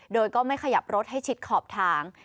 โดยก็ไม่ขยับรถให้ชิดขอบทาง